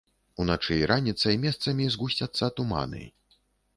Уначы і раніцай месцамі згусцяцца туманы.